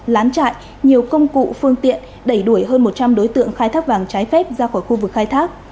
lán trại nhiều công cụ phương tiện đẩy đuổi hơn một trăm linh đối tượng khai thác vàng trái phép ra khỏi khu vực khai thác